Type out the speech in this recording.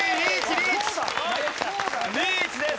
リーチです